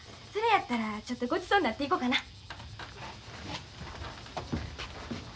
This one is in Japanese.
それやったらちょっとごちそうになっていこかな。